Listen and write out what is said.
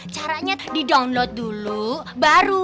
caranya di download dulu baru